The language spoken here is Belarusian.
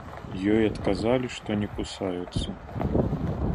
Ёй адказалі, што не кусаюцца.